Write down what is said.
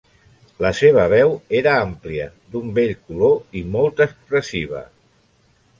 La seva veu era àmplia, d'un bell color i molt expressiva.